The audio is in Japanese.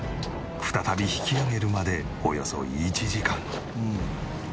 再び引きあげるまでおよそ１時間。